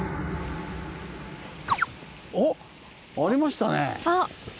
おっ！ありましたね。